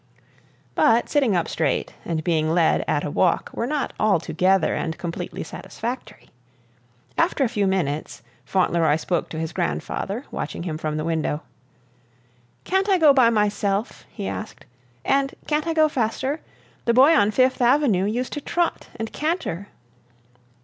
But sitting up straight and being led at a walk were not altogether and completely satisfactory. After a few minutes, Fauntleroy spoke to his grandfather watching him from the window: "Can't I go by myself?" he asked; "and can't I go faster? The boy on Fifth Avenue used to trot and canter!"